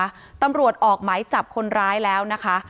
ตำรวจออกหมายจับคนร้ายแล้วนะคะ